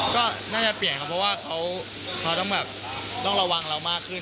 ก็น่าจะเปลี่ยนครับเพราะว่าเขาต้องแบบต้องระวังเรามากขึ้น